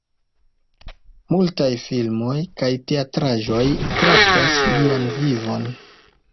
Multaj filmoj kaj teatraĵoj traktas lian vivon.